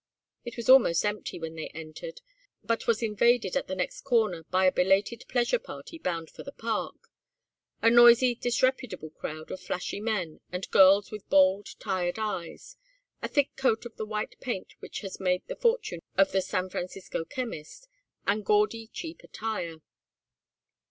It was almost empty when they entered, but was invaded at the next corner by a belated pleasure party bound for the Park, a noisy disreputable crowd of flashy men, and girls with bold tired eyes, a thick coat of the white paint which has made the fortune of the San Francisco chemist, and gaudy cheap attire.